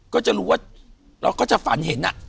ก็จะรู้ว่าเราก็จะฝันเห็น